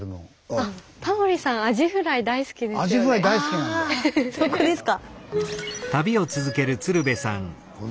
あそこですか。